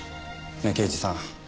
ねえ刑事さん。